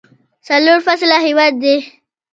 څلور فصله هیواد دی.